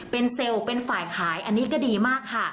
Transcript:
เป็นเซลล์เป็นฝ่ายขายอันนี้ก็ดีมากค่ะ